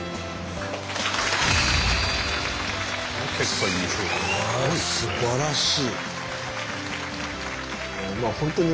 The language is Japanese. これすばらしい！